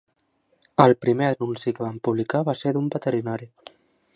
El primer anunci que vam publicar va ser d'un veterinari.